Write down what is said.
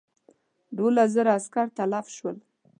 دوولس زره عسکر تلف شول.